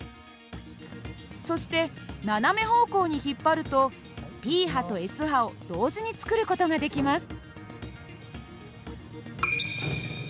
そして斜め方向に引っ張るとＰ波とＳ波を同時に作る事ができます。